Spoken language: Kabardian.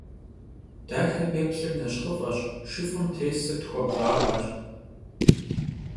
Daxem yêplhır neşxhıf'eş, şşıf'ım têsır txuebğakheş.